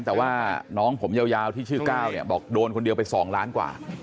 แต่ว่าน้องผมยาวที่ชื่อก้าวเนี่ยบอกโดนคนเดียวไป๒ล้านกว่า